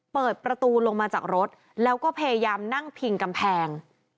เปิดประตูลงมาจากรถแล้วก็พยายามนั่งพิงกำแพง